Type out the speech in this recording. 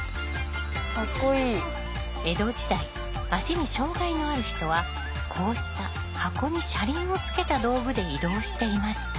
江戸時代足に障害のある人はこうした箱に車輪をつけた道具で移動していました。